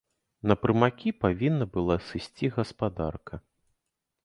На прымакі павінна была сысці гаспадарка.